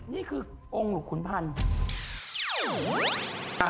นี่คือองค์หลวงขุนพันธุ์